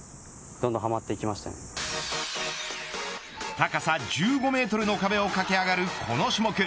高さ１５メートルの壁を駆け上がるこの種目。